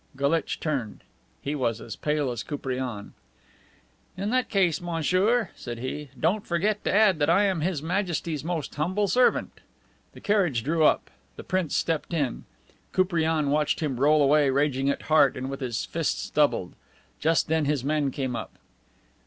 Galitch turned. He was as pale as Koupriane. "In that case, monsieur," said he, "don't forget to add that I am His Majesty's most humble servant." The carriage drew up. The prince stepped in. Koupriane watched him roll away, raging at heart and with his fists doubled. Just then his men came up.